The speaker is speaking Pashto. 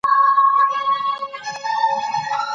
اور به تر اوسه بل وي.